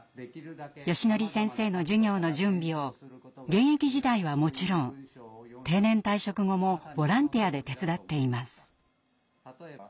よしのり先生の授業の準備を現役時代はもちろん定年退職後もボランティアで手伝っています。